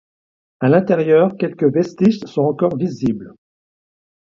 À l'intérieur quelques vestiges sont encore visibles.